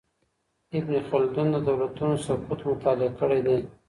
ابن خلدون د دولتونو سقوط مطالعه کړی دی.